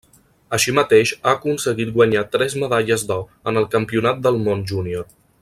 Així mateix ha aconseguit guanyar tres medalles d'or en el Campionat del Món júnior.